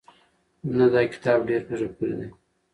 نه دا کتاب ډېر په زړه پورې دی.